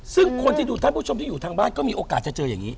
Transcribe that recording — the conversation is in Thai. ซึ่งคนที่ดูท่านผู้ชมที่อยู่ทางบ้านก็มีโอกาสจะเจออย่างนี้